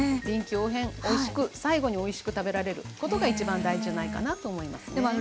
臨機応変おいしく最後においしく食べられることが一番大事じゃないかなと思いますね。